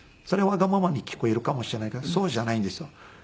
それわがままに聞こえるかもしれないけどそうじゃないんですよ。